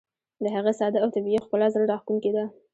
د هغې ساده او طبیعي ښکلا زړه راښکونکې ده.